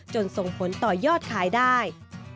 ส่งผลต่อยอดขายได้